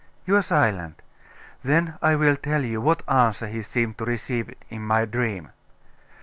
You are silent? Then I will tell you what answer he seemed to receive in my dream.